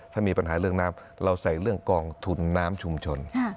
ถ้ามีปัญหาเรื่องน้ำเราใส่เรื่องกองทุนน้ำชุมชน